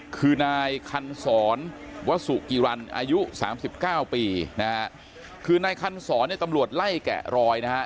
คือนายคันศรวัสุกิรันอายุ๓๙ปีนะฮะคือนายคันศรเนี่ยกำลัวไล่แกะรอยนะฮะ